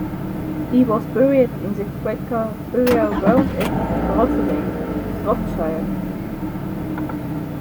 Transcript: He was buried in the Quaker burial-ground at Broseley, Shropshire.